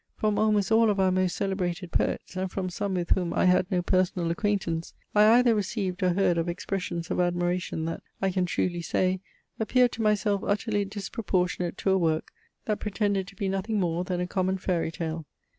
From almost all of our most celebrated poets, and from some with whom I had no personal acquaintance, I either received or heard of expressions of admiration that, (I can truly say,) appeared to myself utterly disproportionate to a work, that pretended to be nothing more than a common Faery Tale.